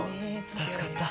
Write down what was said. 助かった。